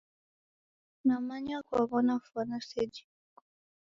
Namanya kwaw'ona fwana seji iko.